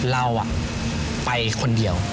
เราไปคนเดียว